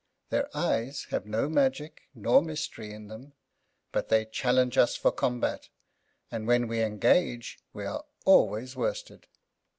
Their eyes have no magic nor mystery in them, but they challenge us for combat; and when we engage we are always worsted.